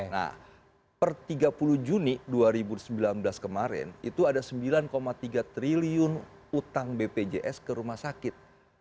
nah per tiga puluh juni dua ribu sembilan belas kemarin itu ada sembilan tiga triliun utang bpjs ke rumah sakit